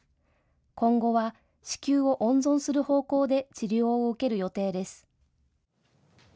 今後は子宮を温存する方向で治療を受ける予定です。